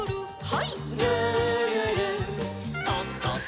はい。